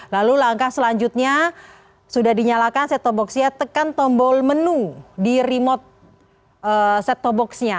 lalu langkah selanjutnya sudah dinyalakan set top boxnya tekan tombol menu di remote set top boxnya